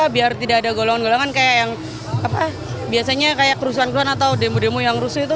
biar tidak ada golongan golongan kayak yang biasanya kayak kerusuhan kerusuhan atau demo demo yang rusuh itu